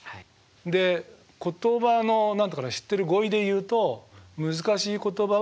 で言葉の何て言うかな知ってる語彙で言うと難しい言葉は？